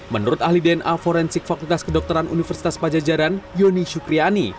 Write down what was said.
menurut ahli dna forensik fakultas kedokteran universitas pajajaran yoni syukriani